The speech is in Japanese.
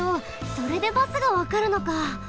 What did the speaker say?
それでバスがわかるのか。